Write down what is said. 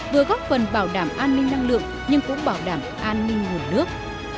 vừa góp phần bảo đảm an ninh năng lượng nhưng cũng bảo đảm an ninh nguồn nước